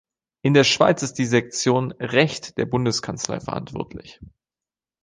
In der Schweiz ist die Sektion Recht der Bundeskanzlei verantwortlich.